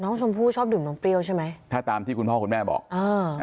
น้องชมพู่ชอบดื่มนมเปรี้ยวใช่ไหมถ้าตามที่คุณพ่อคุณแม่บอกอ่า